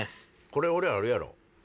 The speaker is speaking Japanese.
これ俺あるやろ。